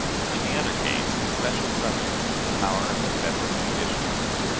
" In the other case, the special subject was the power of the Federal judiciary.